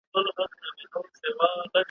زما غویی که په منطقو پوهېدلای ,